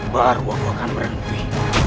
baru aku akan berhenti